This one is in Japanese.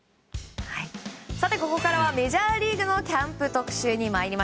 ここからはメジャーリーグのキャンプ特集です。